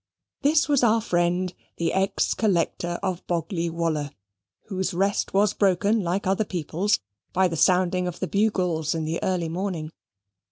This was our friend the ex collector of Boggley Wollah, whose rest was broken, like other people's, by the sounding of the bugles in the early morning.